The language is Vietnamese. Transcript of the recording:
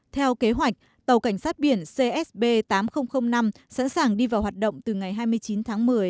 theo kế hoạch tàu cảnh sát biển csb tám nghìn năm sẵn sàng đi vào hoạt động từ ngày hai mươi chín tháng một mươi